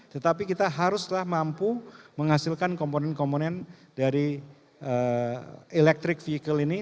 tetapi kita haruslah mampu menghasilkan komponen komponen dari electric vehicle ini